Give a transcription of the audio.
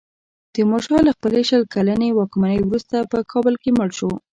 تیمورشاه له خپلې شل کلنې واکمنۍ وروسته په کابل کې مړ شو.